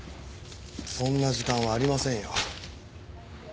そんな時間はありませんよ。